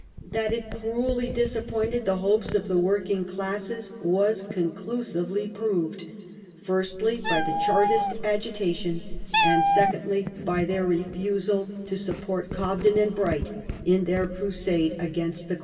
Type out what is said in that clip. That it cruelly dis appointed the hopes of the working classes was conclusively proved, firstly by the Chartist agitation, and secondly by their refusal to support Cobden and Bright in their crusade against the Corn Laws.